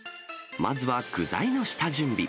まずは具材の下準備。